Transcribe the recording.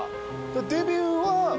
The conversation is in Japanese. デビューは。